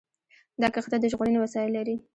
دا کښتۍ د ژغورنې وسایل لري.